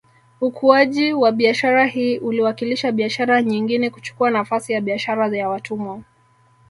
Ukuaji wa biashara hii uliwakilisha biashara nyengine kuchukua nafasi ya biashara ya watumwa